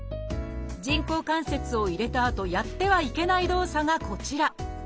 人工関節を入れたあとやってはいけない動作がこちら。